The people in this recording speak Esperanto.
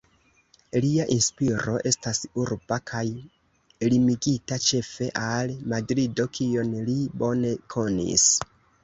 Lia inspiro estas urba kaj limigita ĉefe al Madrido kion li bone konis.